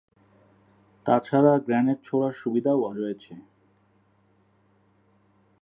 তাছাড়া গ্রেনেড ছোড়ার সুবিধাও রয়েছে।